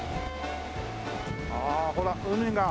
ああほら海が。